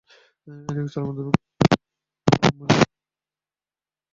এদিকে চলমান দুর্ভিক্ষের বৎসরটি মুযায়না গোত্রের জন্য গবাদিপশু আর ফসলের কিছুই রেখে যায়নি।